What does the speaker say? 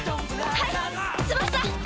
はい翼！